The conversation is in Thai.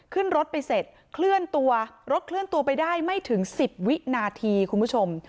ขึ้นรถไปเสร็จเคลื่อนตัวรถเคลื่อนตัวไปได้ไม่ถึง๑๐วินาทีคุณผู้ชม